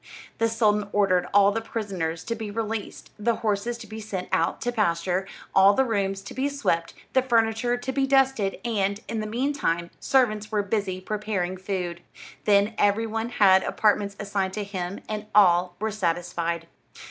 The sultan ordered all the prisoners to be released, the horses to be sent out to pasture, all the rooms to be swept, the furniture to be dusted, and, in the meantime, servants were busy preparing food. Then every one had apartments assigned to him, and all were satisfied.